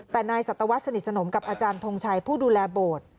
แต่นายสัตวรรษสนิทสนมกับอาจารย์ทงชัยผู้ดูแลโบสถ์